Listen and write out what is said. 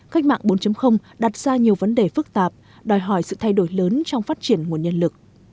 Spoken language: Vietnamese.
cách mạng bốn đặt ra nhiều vấn đề phức tạp đòi hỏi sự thay đổi lớn trong phát triển nguồn nhân lực